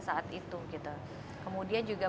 saat itu gitu kemudian juga